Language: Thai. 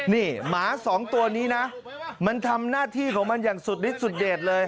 นี่หมาสองตัวนี้นะมันทำหน้าที่ของมันอย่างสุดฤทธสุดเด็ดเลย